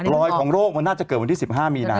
รอยของโรคมันน่าจะเกิดวันที่๑๕มีนา